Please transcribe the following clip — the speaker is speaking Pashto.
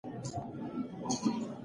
تاسو باید تاریخي لیکنې په دقت سره ولولئ.